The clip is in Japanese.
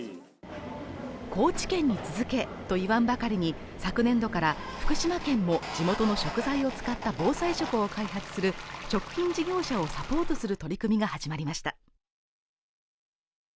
高知県に続けと言わんばかりに昨年度から福島県も地元の食材を使った防災食を開発する食品事業者をサポートする取り組みが始まりました